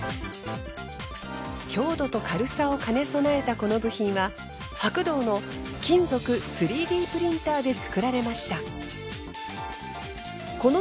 強度と軽さを兼ね備えたこの部品は白銅の金属３Ｄプリンターで作られました。